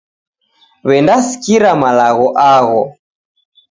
Wendasikira malagho agho